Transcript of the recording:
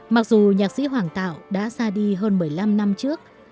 mặc dù nhạc sĩ hoàng tạo đã ra đi hơn một mươi năm năm trước